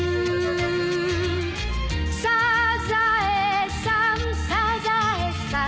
「サザエさんサザエさん」